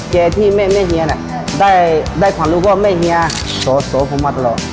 เจ๊ที่แม่แม่เฮียเนี่ยได้ความรู้ว่าแม่เฮียโสโสพอมาตลอด